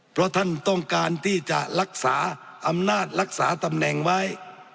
เพราะท่านต้องการที่จะรักษาอำนาจรักษาตำแหน่งไว้